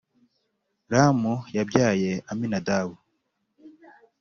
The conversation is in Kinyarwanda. Ramu yabyaye Aminadabu